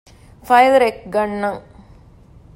ފައިލް ރެކް ގަންނަން